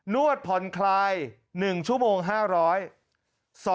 วดผ่อนคลาย๑ชั่วโมง๕๐๐บาท